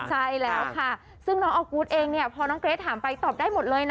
ใช่แล้วค่ะซึ่งน้องออกูธเองเนี่ยพอน้องเกรทถามไปตอบได้หมดเลยนะ